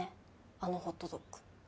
あのホットドッグ。